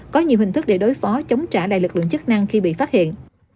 có nhiều hình thức để đối phó chống trả lại lực lượng chức năng khi bị phát hiện